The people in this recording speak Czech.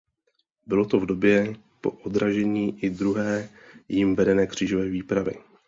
Bylo to v době po odražení i druhé jím vedené křížové výpravy.